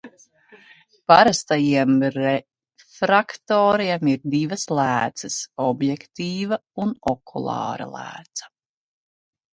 Parastajiem refraktoriem ir divas lēcas – objektīva un okulāra lēca.